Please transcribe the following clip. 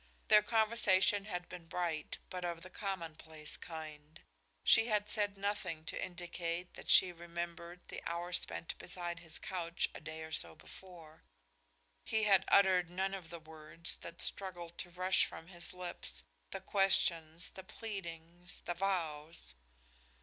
Their conversation had been bright, but of the commonplace kind. She had said nothing to indicate that she remembered the hour spent beside his couch a day or so before; he had uttered none of the words that struggled to rush from his lips, the questions, the pleadings, the vows.